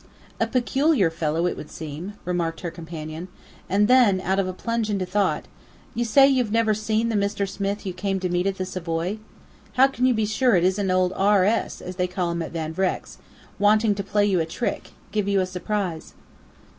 "A peculiar fellow, it would seem," remarked her companion. And then, out of a plunge into thought, "You say you've never seen the Mr. Smith you came to meet at the Savoy? How can you be sure it isn't old 'R. S.' as they call him at Van Vreck's, wanting to play you a trick give you a surprise?"